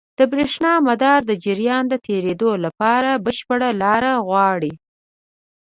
د برېښنا مدار د جریان د تېرېدو لپاره بشپړ لاره غواړي.